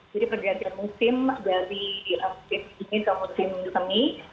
jadi pergantian musim dari musim ini ke musim semi